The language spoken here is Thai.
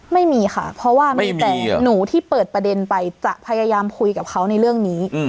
ไม่มีค่ะเพราะว่ามีแต่หนูที่เปิดประเด็นไปจะพยายามคุยกับเขาในเรื่องนี้